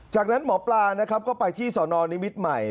จากนั้นหมอปลานะครับก็ไปที่สนนิมิตรใหม่